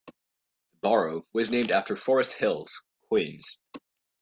The borough was named after Forest Hills, Queens.